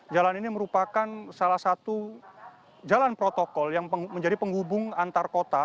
jalan ini merupakan salah satu jalan protokol yang menjadi penghubung antar kota